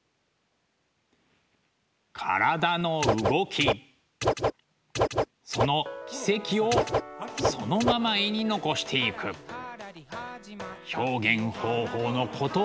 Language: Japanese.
体の動きその軌跡をそのまま絵に残していく表現方法のことをいいます。